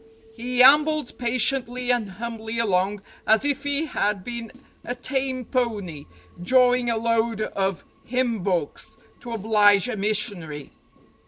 He ambled patiently and humbly along as if he had been a tame pony drawing a load of hymn books to oblige a missionary.